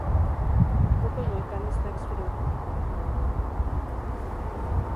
Pocos volcanes han experimentado más de un colapso de su cono.